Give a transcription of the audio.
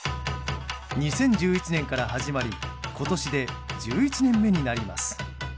２０１１年から始まり今年で１１年目になります。